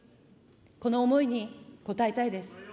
この思いに応えたいです。